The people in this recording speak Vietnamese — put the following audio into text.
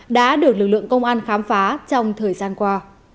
đã được lực lượng công an khám phá trong thời gian qua